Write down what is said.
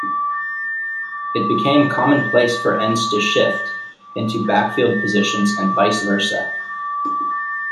It became commonplace for ends to shift into backfield positions and vice versa.